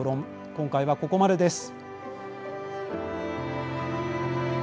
今回はここまでです。